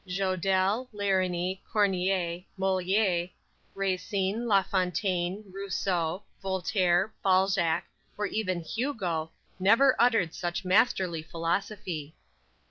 "_ Jodelle, Lariney, Corneille, Moliere, Racine, La Fontaine, Rousseau, Voltaire, Balzac, or even Hugo, never uttered such masterly philosophy.